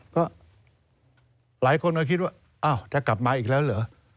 ก็หลายคนก็คิดว่าอ้าวจะกลับมาอีกแล้วเหรอ